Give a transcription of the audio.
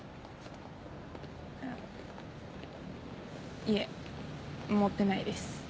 あいえ持ってないです。